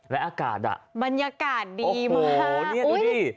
และอากาศอ่ะบรรยากาศดีมาก